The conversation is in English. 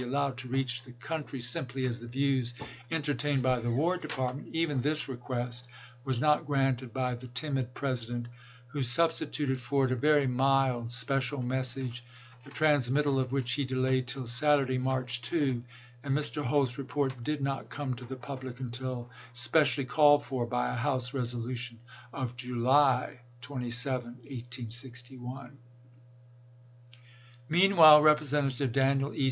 allowed to reach, the country " simply as the views entertained by the War Department," even this request was not granted by the timid President, who substituted for it a very mild special message, ibid., P. 49*. the transmittal of which he delayed till Saturday, March 2, and Mr. Holt's report did not come to the public until specially called for by a House resolu tion of July 27, 1861. Meanwhile Representative Daniel E.